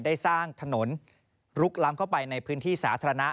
ได้สร้างถนนลุกล้ำเข้าไปในพื้นที่สาธารณะ